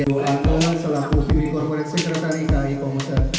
saya pak mas selaku bibi corporate sekretari kai komuser